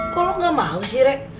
kok lo gak mau sih re